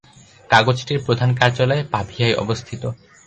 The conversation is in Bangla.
কাগজটির প্রধান কার্যালয় পাভিয়ায় অবস্থিত।